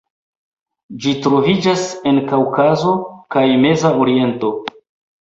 Ĝi troviĝas en Kaŭkazo kaj Meza Oriento.